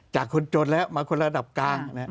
จากคนจนแล้วมาคนระดับกลาง